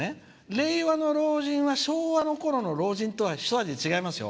令和の老人は昭和のころの老人とは一味違います。